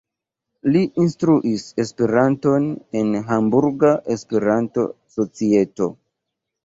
Li instruis Esperanton en Hamburga Esperanto-Societo.